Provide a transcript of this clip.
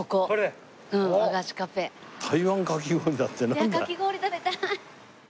いやかき氷食べたい！